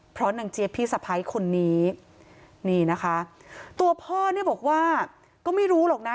เพราะนางเจี๊ยบพี่สะพัยคนนี้ตัวพ่อบอกว่าก็ไม่รู้หรอกนะ